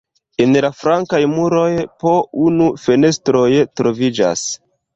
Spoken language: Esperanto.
En la flankaj muroj po unu fenestroj troviĝas.